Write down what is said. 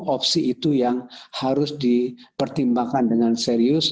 opsi itu yang harus dipertimbangkan dengan serius